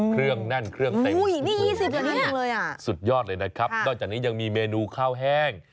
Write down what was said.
เครื่องแน่นเครื่องเต็มเลยอ่ะสุดยอดเลยนะครับนอกจากนี้ยังมีเมนูข้าวแห้ง